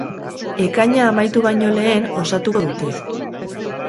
Ekaina amaitu baino lehen osatuko dute.